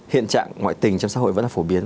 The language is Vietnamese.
hiện trạng ngoại tình trong xã hội vẫn là phổ biến